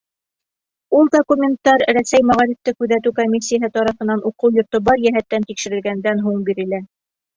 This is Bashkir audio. Ул документтар Рәсәй мәғарифты күҙәтеү комиссияһы тарафынан уҡыу йорто бар йәһәттән тикшерелгәндән һуң бирелә.